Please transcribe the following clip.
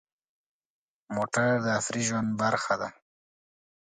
موټر د عصري ژوند برخه ده.